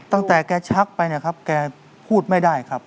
แกชักไปเนี่ยครับแกพูดไม่ได้ครับ